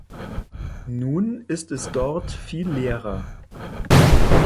Nun ist es dort viel leerer.